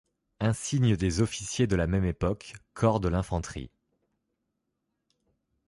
Insignes des officiers de la même époque, corps de l'infanterie.